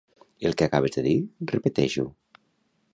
El que acabes de dir, repeteix-ho.